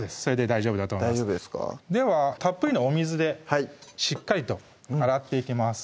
大丈夫ですかではたっぷりのお水でしっかりと洗っていきます